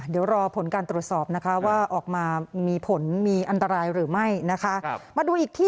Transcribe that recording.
เดี๋ยวรอผลการตรวจสอบนะคะว่าออกมามีผลมีอันตรายหรือไม่นะคะมาดูอีกที่